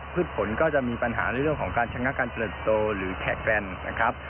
พืชผลก็จะมีปัญหาในเรื่องของการชะงักการเติบโตหรือแทะแกรนด์นะครับ